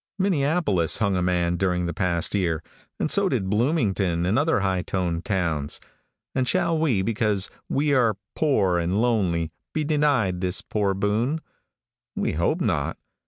Minneapolis hung a man during the past year, and so did Bloomington and other high toned towns, and shall we, because we are poor and lonely, be denied this poor boon? We hope not.